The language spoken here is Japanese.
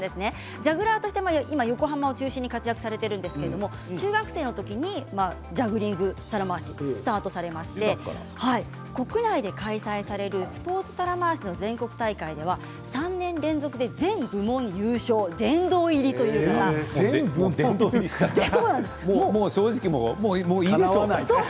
ジャグラーとしても横浜を中心に活躍されているんですけれど中学生の時にジャグリング皿回しをスタートされまして国内で開催されるスポーツ皿回し全国大会では３年連続で全部門優勝殿堂入りということなんです。